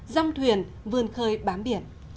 dăm thuyền vươn khơi bám biển